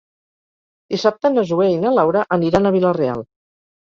Dissabte na Zoè i na Laura aniran a Vila-real.